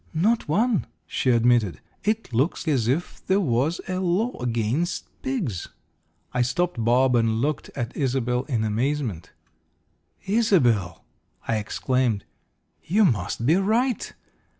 "Not one," she admitted. "It looks as if there was a law against pigs." I stopped Bob, and looked at Isobel in amazement. "Isobel!" I exclaimed. "You must be right!